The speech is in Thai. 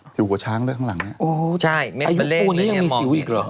สิวกะช้างเรื่องของก้างหลังเนี้ย